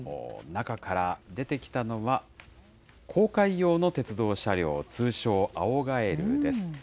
中から出てきたのは、公開用の鉄道車両、通称、青ガエルです。